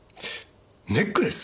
ネックレス？